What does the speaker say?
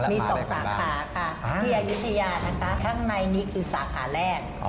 มี๒สาขาค่ะที่อายุทยานะคะข้างในนี้คือสาขาแรก